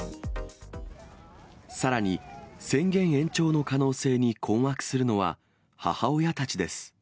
さらに、宣言延長の可能性に困惑するのは、母親たちです。